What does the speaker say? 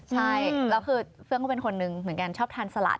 ใช่แล้วคือเฟื่องก็เป็นคนนึงเหมือนกันชอบทานสลัด